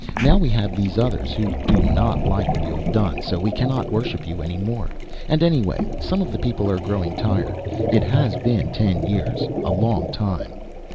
"Now we have these others, who do not like what you have done, so we cannot worship you any more. And anyway, some of the people are growing tired. It has been ten years. A long time."